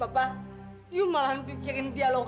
kamu malah memikirkan dialog aku